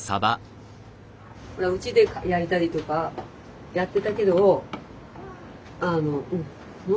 うちで焼いたりとかやってたけどあのうん。